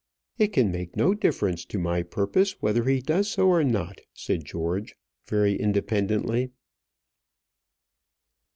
"It can make no difference to my purpose whether he does or no," said George, very independently.